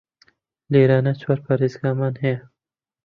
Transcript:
لێرانە چوار پاریزگامان هەیە